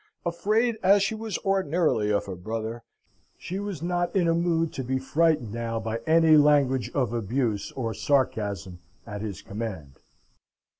Afraid as she was ordinarily of her brother, she was not in a mood to be frightened now by any language of abuse or sarcasm at his command.